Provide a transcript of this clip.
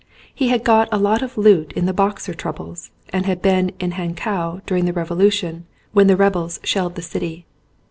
He had got a lot of loot in the Boxer troubles and had been in Hankow during the revolution when the rebels shelled the city.